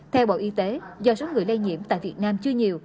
theo bộ y tế do số người lây nhiễm tại việt nam chưa nhiều